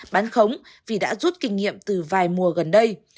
bán khống vì đã rút kinh nghiệm từ vài mùa gần đây